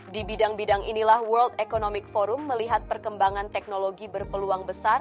di bidang bidang inilah world economic forum melihat perkembangan teknologi berpeluang besar